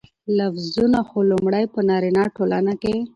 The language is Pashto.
لفظونه خو لومړى په نارينه ټولنه کې